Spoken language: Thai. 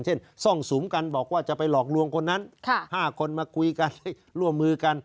ซ่องสุมกันบอกว่าจะไปหลอกลวงคนนั้น๕คนมาคุยกันร่วมมือกัน